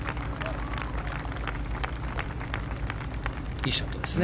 いいショットですね。